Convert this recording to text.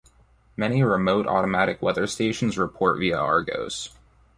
Many remote automatic weather stations report via Argos.